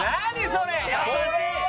それ優しい！